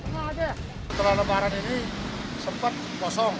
setelah lembaran ini sempat kosong